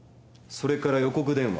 それから予告電話。